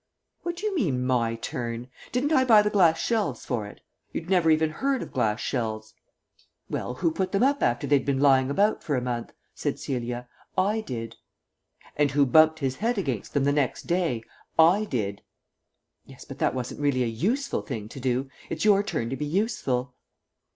"What do you mean, my turn? Didn't I buy the glass shelves for it? You'd never even heard of glass shelves." "Well, who put them up after they'd been lying about for a month?" said Celia. "I did." "And who bumped his head against them the next day? I did." "Yes, but that wasn't really a useful thing to do. It's your turn to be useful."